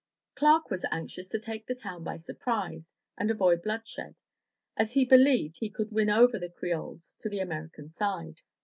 Clark was anxious to take the town by surprise and avoid bloodshed, as he believed he could win over the Creoles to the American side.